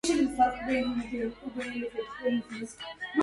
وكان الشلمغان أبا ملوك